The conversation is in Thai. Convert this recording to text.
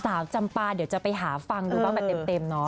จำปาเดี๋ยวจะไปหาฟังดูบ้างแบบเต็มเนาะ